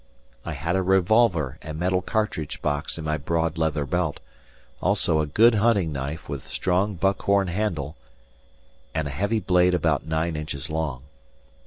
I had a revolver and metal cartridge box in my broad leather belt, also a good hunting knife with strong buckhorn handle and a heavy blade about nine inches long.